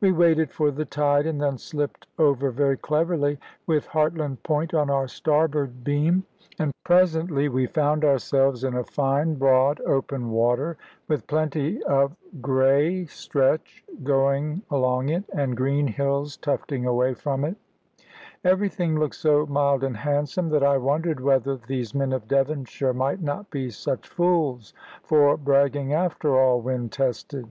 We waited for the tide, and then slipped over very cleverly, with Hartland Point on our starboard beam; and presently we found ourselves in a fine broad open water, with plenty of grey stretch going along it, and green hills tufting away from it. Everything looked so mild and handsome, that I wondered whether these men of Devonshire might not be such fools for bragging after all, when tested.